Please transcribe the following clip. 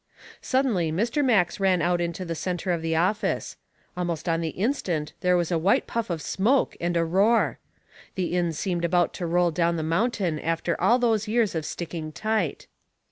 Suddenly Mr. Max ran out into the center of the office. Almost on the instant there was a white puff of smoke and a roar. The inn seemed about to roll down the mountain after all those years of sticking tight.